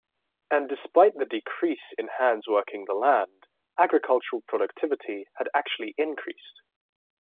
And despite the decrease in hands working the land, agricultural productivity had actually increased.